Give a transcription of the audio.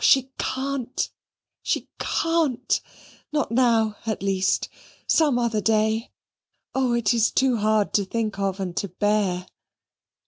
She can't, she can't. Not now, at least. Some other day. Oh! it is too hard to think of and to bear.